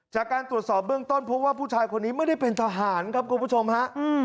จากการตรวจสอบเบื้องต้นพบว่าผู้ชายคนนี้ไม่ได้เป็นทหารครับคุณผู้ชมฮะ